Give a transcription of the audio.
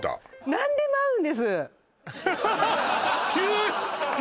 何でも合うんです！